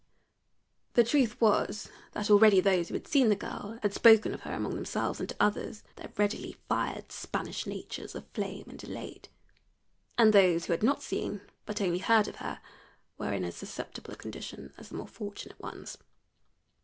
The truth was that already those who had seen the girl had spoken of her among themselves and to others, their readily fired Spanish natures aflame and elate. And those who had not seen, but only heard of her, were in as susceptible a condition as the more fortunate ones.